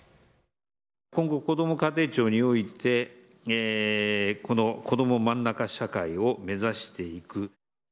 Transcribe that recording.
今後こども家庭庁において、子ども真ん中社会を目指していく。